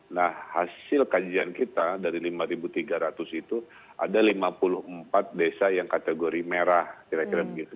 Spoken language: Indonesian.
nah hasil kajian kita dari lima tiga ratus itu ada lima puluh empat desa yang kategori merah kira kira begitu